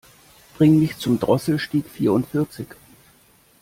Bring mich zum Drosselstieg vierundvierzig.